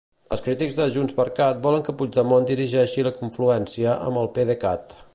Els crítics de JxCat volen que Puigdemont dirigeixi la confluència amb el PDECat.